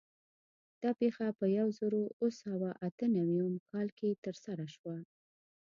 دا پېښه په یو زرو اوه سوه اته نوي م کال کې ترسره شوه.